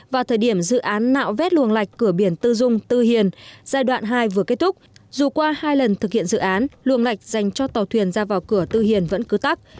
vào thời điểm dự án nạo vét luồng lạch cửa biển tư dung tư hiền giai đoạn hai vừa kết thúc dù qua hai lần thực hiện dự án luồng lạch dành cho tàu thuyền ra vào cửa tư hiền vẫn cứ tắt